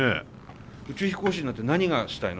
宇宙飛行士になって何がしたいの？